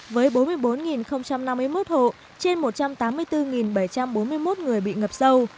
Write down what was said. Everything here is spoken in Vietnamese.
với bốn mươi bốn năm mươi một hộ trên một trăm tám mươi bốn bảy trăm bốn mươi một người bị ngập sâu